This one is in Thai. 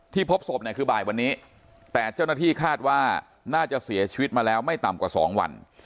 พบศพเนี่ยคือบ่ายวันนี้แต่เจ้าหน้าที่คาดว่าน่าจะเสียชีวิตมาแล้วไม่ต่ำกว่า๒วัน